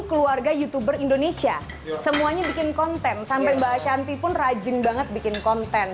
keluarga youtuber indonesia semuanya bikin konten sampai mbak shanti pun rajin banget bikin konten